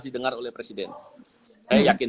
didengar oleh presiden saya yakin